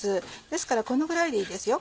ですからこのぐらいでいいですよ